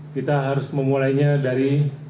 kita harus memulainya dari